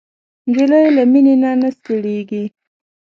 نجلۍ له مینې نه نه ستړېږي.